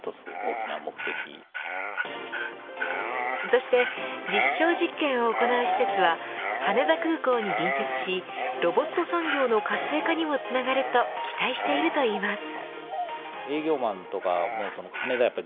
そして実証実験を行う施設は羽田空港に隣接しロボット産業の活性化にもつながると期待しているといいます。